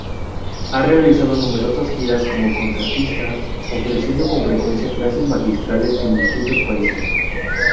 Ha realizado numerosas giras como concertista, ofreciendo con frecuencia clases magistrales en distintos países.